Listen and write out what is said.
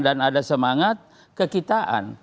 dan ada semangat kekitaan